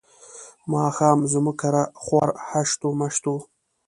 ماښام زموږ کره خوار هشت و مشت وو.